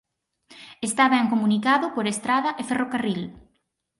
Está ben comunicado por estrada e ferrocarril.